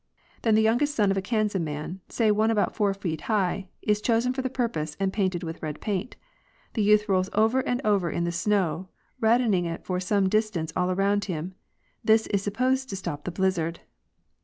Then the youngest son of a Kanze man, say one about four feet high, is chosen for the purpose, and painted with red paint. The youth rolls over and over in the snow, reddening it for some distance all around him. This is supposed to stop the blizzard.